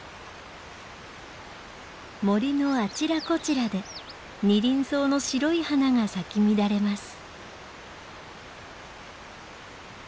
森のあちらこちらでニリンソウの白い花が咲き乱れます。